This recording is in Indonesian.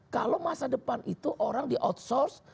kalau masa depan itu orang di outsource